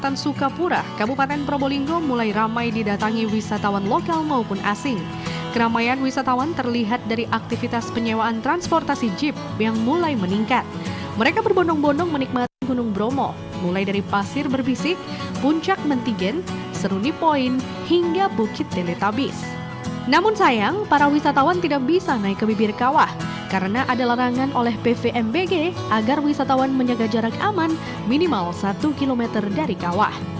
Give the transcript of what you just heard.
namun sayang para wisatawan tidak bisa naik ke bibir kawah karena ada larangan oleh pvmbg agar wisatawan menjaga jarak aman minimal satu km dari kawah